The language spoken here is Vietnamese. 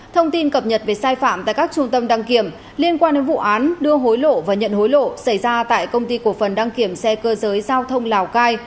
thông tin cập nhật về sai phạm tại các trung tâm đăng kiểm liên quan đến vụ án đưa hối lộ và nhận hối lộ xảy ra tại công ty cổ phần đăng kiểm xe cơ giới giao thông lào cai